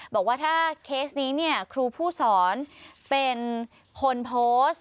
บอกว่าถ้าเคสนี้เนี่ยครูผู้สอนเป็นคนโพสต์